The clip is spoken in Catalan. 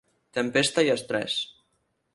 Tempesta i estrès.